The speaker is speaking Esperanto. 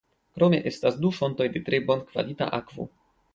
Krome estas du fontoj de tre bonkvalita akvo.